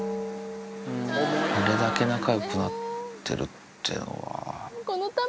あれだけ仲よくなってるっていうどうした？